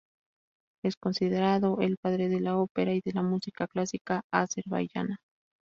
Es considerado el padre de la ópera y de la música clásica azerbaiyana.